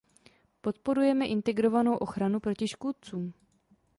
Podporujeme integrovanou ochranu proti škůdcům.